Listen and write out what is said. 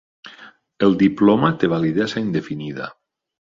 El diploma té validesa indefinida.